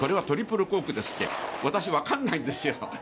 トリプルコークですって私、わかんないですよ。